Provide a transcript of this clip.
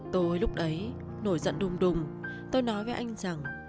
tôi lúc đấy nổi giận đùng đùng tôi nói với anh rằng